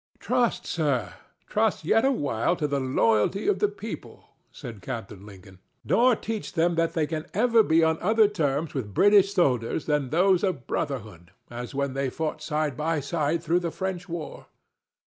"Trust, sir—trust yet a while to the loyalty of the people," said Captain Lincoln, "nor teach them that they can ever be on other terms with British soldiers than those of brotherhood, as when they fought side by side through the French war.